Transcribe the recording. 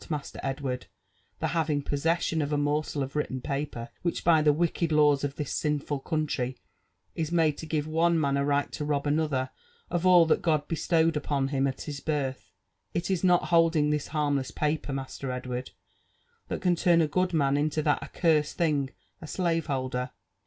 Master Edward, the having possession of a morsel of written paper, which by the wicked laws of this sinful country is made to give one man a right to rob another of all that God bestowed upon him at his birth, — it. is not holding this harmless paper. Master Edward, that can turn a good man into that accursed thing, a slave )iolder.